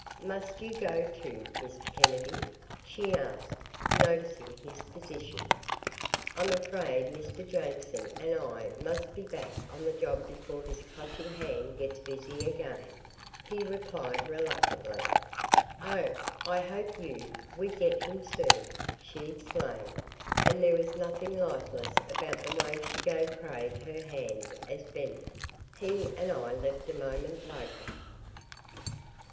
"Must you go, too, Mr. Kennedy?" she asked, noticing his position. "I'm afraid Mr. Jameson and I must be back on the job before this Clutching Hand gets busy again," he replied reluctantly. "Oh, I hope you we get him soon!" she exclaimed, and there was nothing lifeless about the way she gave Craig her hand, as Bennett, he and I left a moment later.